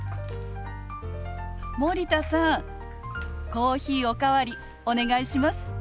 コーヒーお代わりお願いします。